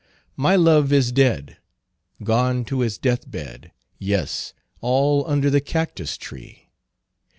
My love is dead, Gone to his death bed, ys All under the cactus tree."